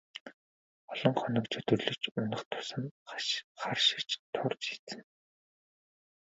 Олон хоног чөдөрлөж унах тусам харшиж турж эцнэ.